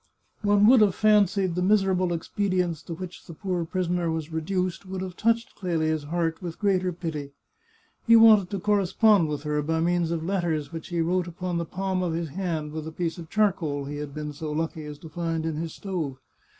One would have fancied the miserable expedients to which the poor prisoner was reduced would have touched Clelia's heart with greater pity. He wanted to correspond with her, by means of letters which he wrote upon the palm of his hand with a piece of charcoal he had been so lucky as to find in his stove.